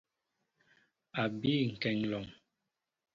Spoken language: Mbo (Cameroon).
A bii kéŋ alɔŋ.